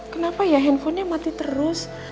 kenapa ya handphonenya mati terus